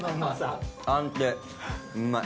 うまい。